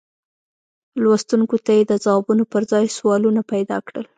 لوستونکو ته یې د ځوابونو پر ځای سوالونه پیدا کړل.